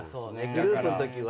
グループのときは。